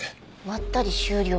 まったり終了。